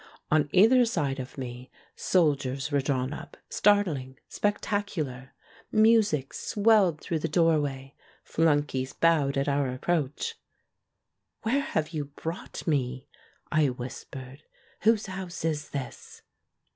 On either side of me soldiers were drawn up, startling, spectacular. Music swelled through the door way. Flunkeys bowed at our approach. "Where have you brought me?" I whispered. "Whose house is this?"